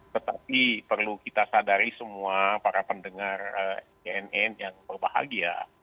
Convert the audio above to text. tetapi perlu kita sadari semua para pendengar cnn yang berbahagia